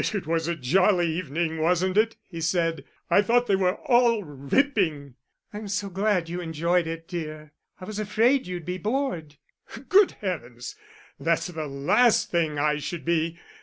"It was a jolly evening, wasn't it," he said. "I thought they were all ripping." "I'm so glad you enjoyed it, dear; I was afraid you'd be bored." "Good heavens, that's the last thing I should be.